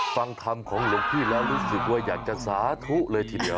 ฟังคำของหลวงพี่แล้วรู้สึกว่าอยากจะสาธุเลยทีเดียว